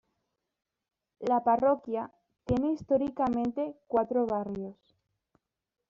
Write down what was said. La parroquia tiene históricamente cuatro barrios.